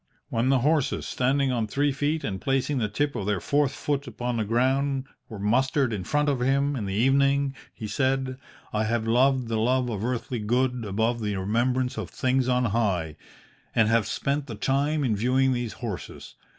"'When the horses, standing on three feet and placing the tip of their fourth foot upon the ground, were mustered in front of him in the evening, he said, I have loved the love of earthly good above the remembrance of things on high, and have spent the time in viewing these horses.